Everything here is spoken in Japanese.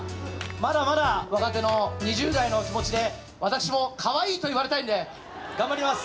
まだまだ若手の、２０代の気持ちで、私もかわいいと言われたいんで、頑張ります。